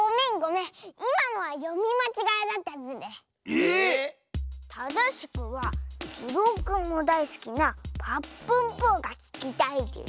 ええ⁉ただしくは「ズルオくんもだいすきな『ぱっぷんぷぅ』がききたいです」